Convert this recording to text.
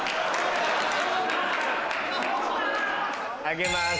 あげます。